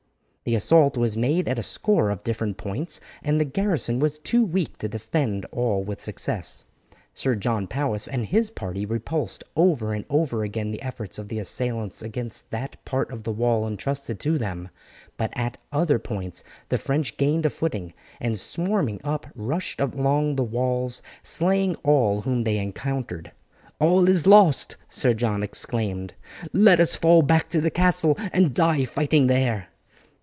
The assault was made at a score of different points, and the garrison was too weak to defend all with success. Sir John Powis and his party repulsed over and over again the efforts of the assailants against that part of the wall entrusted to them, but at other points the French gained a footing, and swarming up rushed along the walls, slaying all whom they encountered. "All is lost," Sir John exclaimed; "let us fall back to the castle and die fighting there."